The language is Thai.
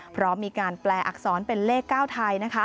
พร้อมมีการแปลอักษรเป็นเลขเก้าไทย